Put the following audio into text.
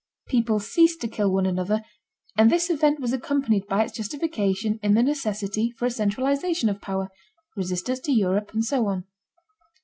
People ceased to kill one another, and this event was accompanied by its justification in the necessity for a centralization of power, resistance to Europe, and so on.